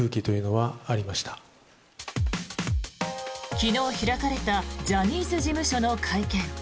昨日開かれたジャニーズ事務所の会見。